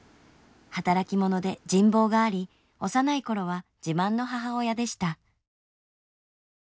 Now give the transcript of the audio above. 働き者で人望があり幼い頃は自慢の母親でした。